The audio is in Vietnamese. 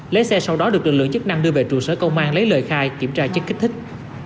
lấy xe sau đó được lực lượng chức năng đưa về trụ sở công an lấy lời khai kiểm tra chất kích thích